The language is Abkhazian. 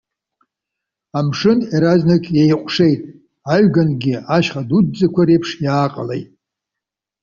Амшын иаразнак иеиҟәшеит, аҩганкгьы ашьха дуӡӡақәа реиԥш иааҟалеит.